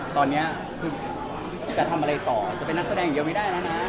ตอนนี้คือจะทำอะไรต่อจะเป็นนักแสดงอย่างเดียวไม่ได้แล้วนะ